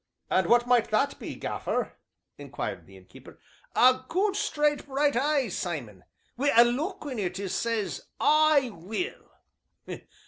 "And what might that be, Gaffer?" inquired the Innkeeper. "A good, straight, bright eye, Simon, wi' a look in it as says, 'I will!'"